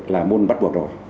là môn bắt buộc rồi